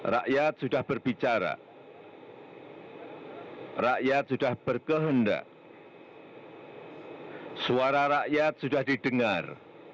rakyat sudah berbicara rakyat sudah berkehendak suara rakyat sudah didengar